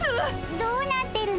どうなってるの？